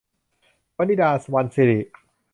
วนิดา - วรรณสิริ